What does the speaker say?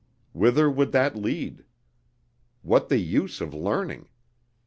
Whither would that lead? What the use of learning?